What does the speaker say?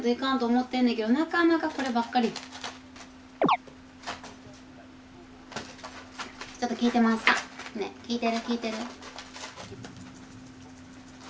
ねえ聞いてる聞いてる？